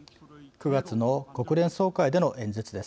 ９月の国連総会での演説です。